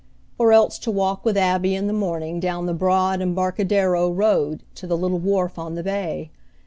Or else to walk with Abby in the morning down the broad Embarcadero Road to the little wharf on the bay.